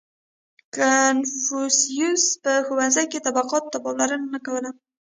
• کنفوسیوس په ښوونځي کې طبقاتو ته پاملرنه نه کوله.